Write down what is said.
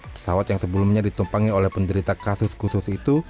pesawat yang sebelumnya ditumpangi oleh penderita kasus khusus itu